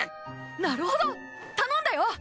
なるほど頼んだよ！